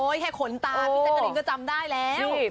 โอ้ยแค่ขนตาพี่เซ็นต์กะลิงก็จำได้แล้วนี่